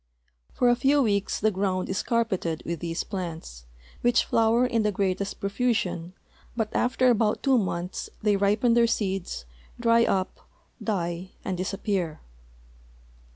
For a few weeks the ground is carpeted with these plants, which flower in the greatest profusion, but after about two months they ripen their seeds, dry up, die, and disappear.